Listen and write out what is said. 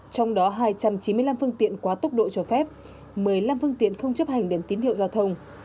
trong đó hai trăm chín mươi năm phương tiện quá tốc độ cho phép một mươi năm phương tiện không chấp hành đèn tín hiệu giao thông